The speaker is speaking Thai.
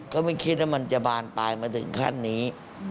ก็ไม่คิดว่ามันจะบานปลายมาถึงขั้นนี้